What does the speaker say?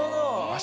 足⁉